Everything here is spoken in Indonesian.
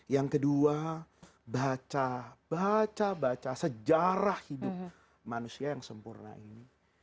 yang kedua baca baca sejarah hidup manusia yang sempurna ini